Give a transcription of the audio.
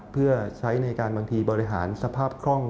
เพื่อใช้ในการบางทีบริหารสภาพคล่อง